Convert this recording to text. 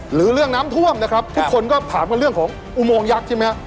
หรือเรื่องน้ำท่วมนะครับทุกคนก็ถามกันเรื่องของอุโมงยักษ์ใช่ไหมฮะ